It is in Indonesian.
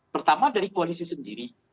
pertama dari koalisi sendiri